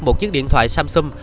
một chiếc điện thoại samsung